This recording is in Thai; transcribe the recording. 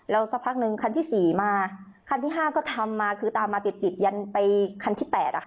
แล้วสักพักหนึ่งคันที่๔มาคันที่๕ก็ทำมาคือตามมาติดติดยันไปคันที่๘